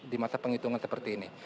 di masa penghitungan seperti ini